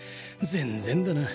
全然だな。